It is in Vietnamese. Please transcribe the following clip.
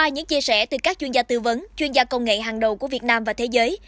những chia sẻ từ các chuyên gia tư vấn chuyên gia công nghệ hàng đầu của việt nam và thế giới